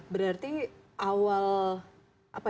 berarti awal apa ya